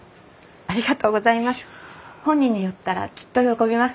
ありがとうございます。